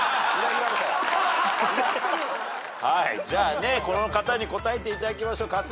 じゃあこの方に答えていただきましょう。